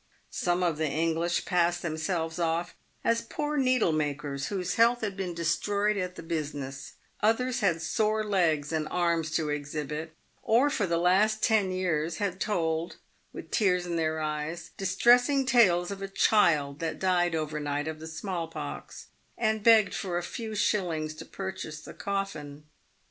Some of the* English passed themselves off as poor needle makers, whose health had been destroyed at the business ; others had sore legs and arms to exhibit, or for the last ten years had told, with tears in their eyes, distressing tales of a child that died overnight of the small pox, and begged for a few shillings to purchase the coffin.